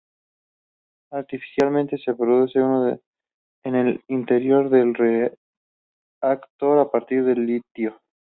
Artificialmente se produce en el interior del reactor a partir de litio.